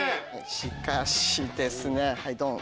しかしですねドン！